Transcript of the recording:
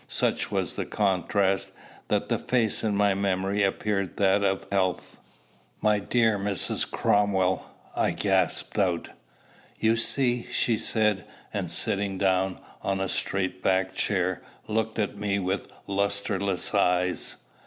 Such was the contrast, that the face in my memory appeared that of health. "My dear Mrs. Cromwell!" I gasped out. "You see," she said, and sitting down, on a straight backed chair, looked at me with lustreless eyes.